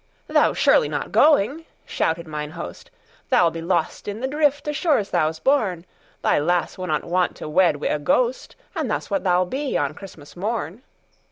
"Thou 's surely not going!" shouted mine host,"Thou 'll be lost in the drift, as sure as thou 's born; Thy lass winnot want to wed wi' a ghost, And that 's what thou 'll be on Christmas morn.